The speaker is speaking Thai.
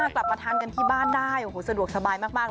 กลับมาทานกันที่บ้านได้โอ้โหสะดวกสบายมาก